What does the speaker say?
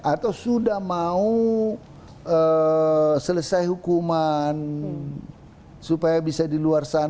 atau sudah mau selesai hukuman supaya bisa di luar sana